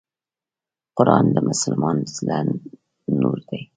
قرآن د مسلمان د زړه نور دی .